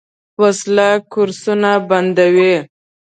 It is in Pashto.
وسله کورسونه بندوي